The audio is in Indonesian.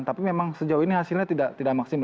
tapi memang sejauh ini hasilnya tidak maksimal